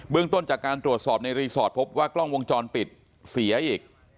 ต้นจากการตรวจสอบในรีสอร์ทพบว่ากล้องวงจรปิดเสียอีก